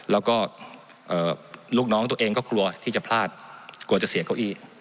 แล้วก็ลูกน้องตัวเองก็กลัวที่จะพลาดกลัวจะเสียงเก้าอี้